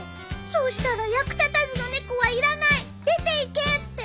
そうしたら「役立たずの猫はいらない出ていけ」って。